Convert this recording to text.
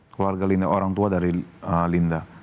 keluarga orang tua dari linda